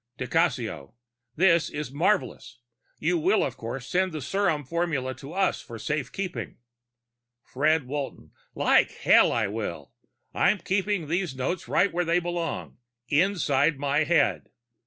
_ Di Cassio: This is marvelous. You will, of course, send the serum formula to us for safe keeping? Fred Walton: _Like hell I will. I'm keeping those notes right where they belong inside my head.